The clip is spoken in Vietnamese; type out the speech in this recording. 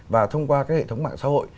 và thông qua các hệ thống mạng xã hội